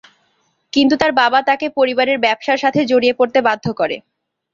কিন্তু তার বাবা তাকে পরিবারের ব্যবসার সাথে জড়িয়ে পড়তে বাধ্য করে।